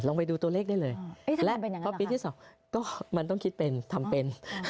ลองไปดูตัวเลขได้เลยเอ๊ะแล้วก็ปีที่สองก็มันต้องคิดเป็นทำเป็น